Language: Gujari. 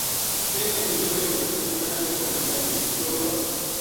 تیں عقل یوہ کریو جے اس نا پہلاں ہی کہاڑی دس چھُڑی یوہ لوہا